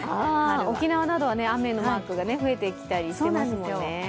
沖縄などは雨のマークが増えてきたりしていますもんね。